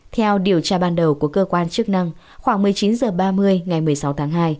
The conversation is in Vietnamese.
theo điều tra ban đầu của cơ quan chức năng khoảng một mươi chín h ba mươi ngày một mươi sáu tháng hai